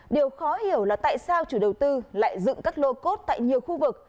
điều khó hiểu là tại sao chủ đầu tư lại dựng các lô cốt tại nhiều khu vực